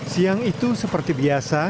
siang itu seperti biasa